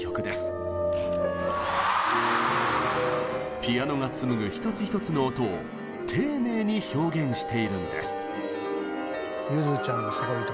ピアノが紡ぐ一つ一つの音を丁寧に表現しているんです。